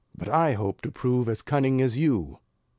But I hope to prove as cunning as you."